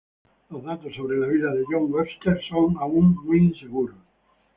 Los datos sobre la vida de John Webster son aún muy inseguros.